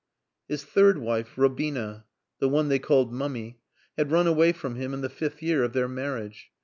His third wife, Robina (the one they called Mummy), had run away from him in the fifth year of their marriage.